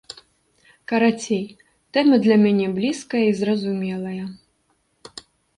Карацей, тэма для мяне блізкая і зразумелая.